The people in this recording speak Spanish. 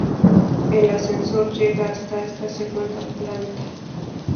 El ascensor llega hasta esta segunda planta.